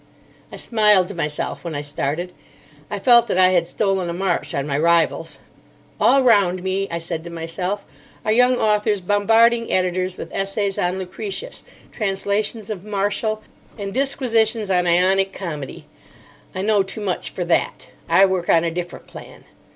I smiled to myself when I started. I felt that I had stolen a march on my rivals. "All round me," I said to myself, "are young authors bombarding editors with essays on Lucretius, translations of Martial, and disquisitions on Ionic comedy. I know too much for that. I work on a different plan."